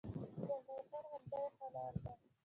زلمی خان: همدا یې ښه لار ده.